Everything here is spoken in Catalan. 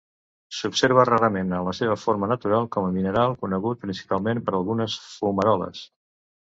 S'observa rarament en la seva forma natural com a mineral, conegut principalment per algunes fumaroles.